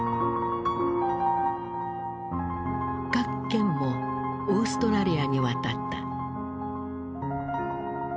郭健もオーストラリアに渡った。